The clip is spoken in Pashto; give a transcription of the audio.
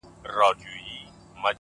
o داسي محراب غواړم؛ داسي محراب راکه؛